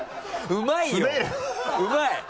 うまい！